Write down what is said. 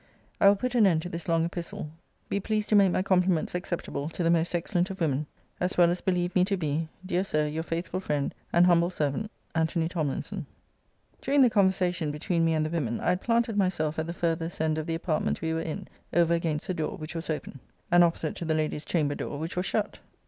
I will put an end to this long epistle. Be pleased to make my compliments acceptable to the most excellent of women; as well as believe me to be, Dear Sir, Your faithful friend, and humble servant, ANTONY TOMLINSON. During the conversation between me and the women, I had planted myself at the farthest end of the apartment we were in, over against the door, which was open; and opposite to the lady's chamber door, which was shut.